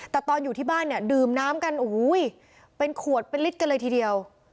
แต่ตอนอยู่ที่บ้านเนี่ยดื่มน้ำกันโอ้โหเป็นขวดเป็นลิตรกันเลยทีเดียว